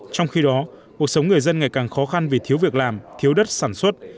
trong khi đó cuộc sống người dân ngày càng khó khăn vì thiếu việc làm thiếu đất sản xuất